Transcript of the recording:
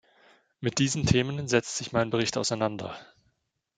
Mit diesen Themen setzt sich mein Bericht auseinander.